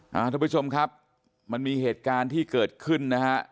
คุณผู้ชมครับมันมีเหตุการณ์ที่เกิดขึ้นนะฮะ